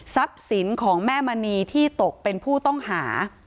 สินของแม่มณีที่ตกเป็นผู้ต้องหา